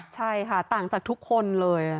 ใช่ค่ะต่างจากทุกคนเลย